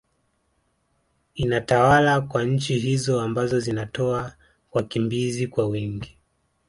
inatawala kwa nchi hizo ambazo zinatoa wakimbizi kwa wingi